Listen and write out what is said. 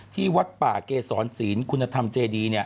ที่วัดป่าเกษรศีลคุณธรรมเจดีย์เนี่ย